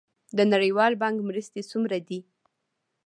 د نړیوال بانک مرستې څومره دي؟